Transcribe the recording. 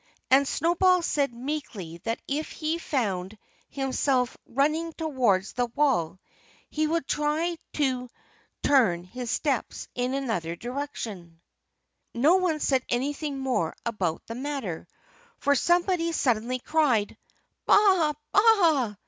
And Snowball said meekly that if he found himself running towards the wall he would try to turn his steps in another direction. No one said anything more about the matter. For somebody suddenly cried, "_Baa! baa!